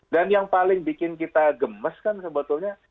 yang paling bikin kita gemes kan sebetulnya